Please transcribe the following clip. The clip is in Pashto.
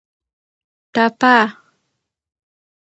ټپه